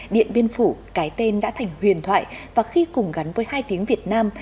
điện biên phủ cái tên đã thành huyền thoại và khi cùng gắn với hai tiếng việt nam